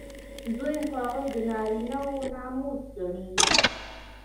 دوی هغوی د نارینه وو ناموس ګڼي.